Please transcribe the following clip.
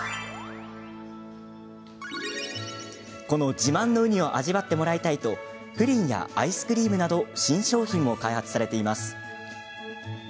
自慢のウニを味わってもらいたいとプリンやアイスクリームなど新商品も開発されています。